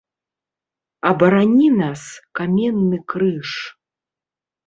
Абарані нас, каменны крыж!